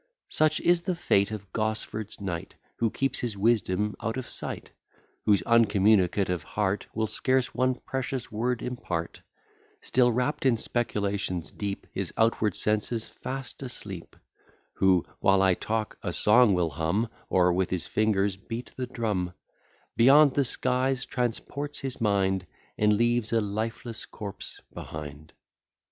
Such is the fate of Gosford's knight, Who keeps his wisdom out of sight; Whose uncommunicative heart Will scarce one precious word impart: Still rapt in speculations deep, His outward senses fast asleep; Who, while I talk, a song will hum, Or with his fingers beat the drum; Beyond the skies transports his mind, And leaves a lifeless corpse behind.